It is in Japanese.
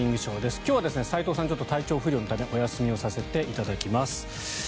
今日は斎藤さん体調不良のためお休みをさせていただきます。